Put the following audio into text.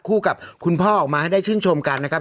กับคุณพ่อออกมาให้ได้ชื่นชมกันนะครับ